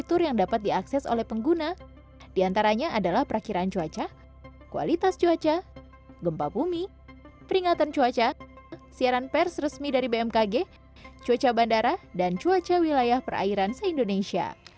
fitur yang dapat diakses oleh pengguna diantaranya adalah perakhiran cuaca kualitas cuaca gempa bumi peringatan cuaca siaran pers resmi dari bmkg cuaca bandara dan cuaca wilayah perairan se indonesia